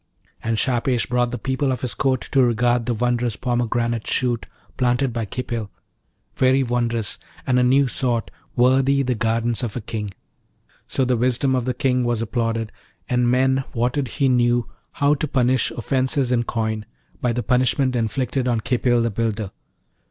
And Shahpesh brought the people of his court to regard the wondrous pomegranate shoot planted by Khipil, very wondrous, and a new sort, worthy the gardens of a King. So the wisdom of the King was applauded, and men wotted he knew how to punish offences in coin, by the punishment inflicted on Khipil the builder.